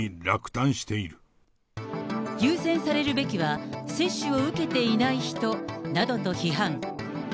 優先されるべきは、接種を受けていない人などと批判。